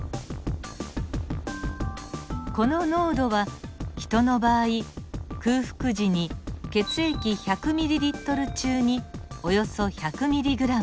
この濃度はヒトの場合空腹時に血液１００ｍＬ中におよそ１００ｍｇ